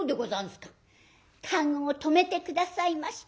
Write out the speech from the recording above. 「駕籠を止めて下さいまし。